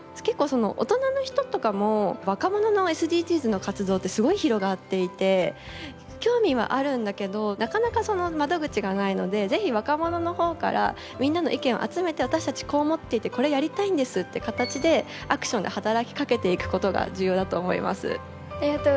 結構大人の人とかも若者のＳＤＧｓの活動ってすごい広がっていて興味はあるんだけどなかなかその窓口がないので是非若者の方からみんなの意見を集めて私たちこう思っていてこれやりたいんですって形でアクションで働きかけていくことが重要だと思います。